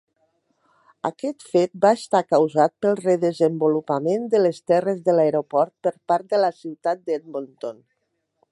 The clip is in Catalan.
Aquest fet va estar causat pel re-desenvolupament de les terres de l'aeroport per part de la ciutat de Edmonton.